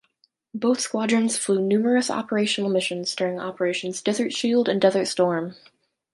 Both squadrons flew numerous operational missions during Operations Desert Shield and Desert Storm.